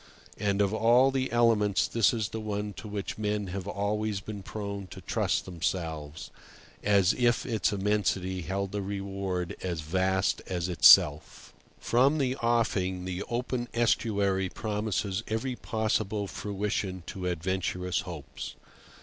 And of all the elements this is the one to which men have always been prone to trust themselves, as if its immensity held a reward as vast as itself. From the offing the open estuary promises every possible fruition to adventurous hopes.